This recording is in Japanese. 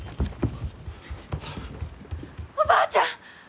おばあちゃん！